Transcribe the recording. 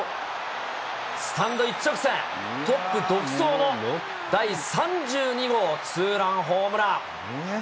スタンド一直線、トップ独走の第３２号ツーランホームラン。